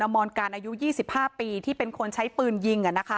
มอนการอายุ๒๕ปีที่เป็นคนใช้ปืนยิง